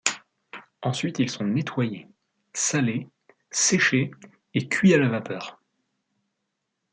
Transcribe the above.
Ensuite, ils sont nettoyés, salés, séchés et cuits à la vapeur.